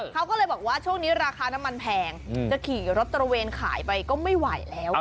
เขาก็เลยบอกว่าช่วงนี้ราคาน้ำมันแพงจะขี่รถตระเวนขายไปก็ไม่ไหวแล้ว